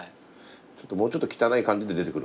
ちょっともうちょっと汚い感じで出てくるわ